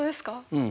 うん。